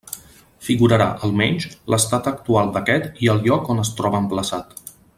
Figurarà, almenys, l'estat actual d'aquest i el lloc on es troba emplaçat.